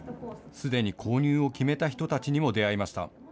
すでに購入を決めた人たちにも出会いました。